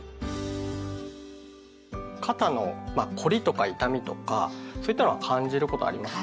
肩のまあ凝りとか痛みとかそういったのは感じることありますか？